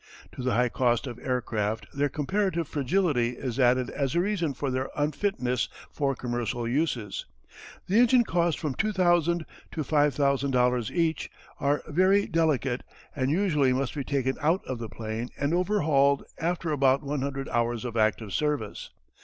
To the high cost of aircraft their comparative fragility is added as a reason for their unfitness for commercial uses. The engines cost from $2000 to $5000 each, are very delicate and usually must be taken out of the plane and overhauled after about 100 hours of active service.